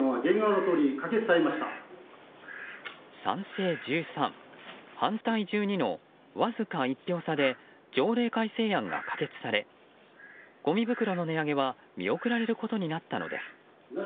賛成１３、反対１２のわずか１票差で条例改正案が可決されごみ袋の値上げは見送られることになったのです。